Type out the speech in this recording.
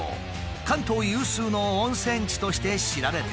関東有数の温泉地として知られている。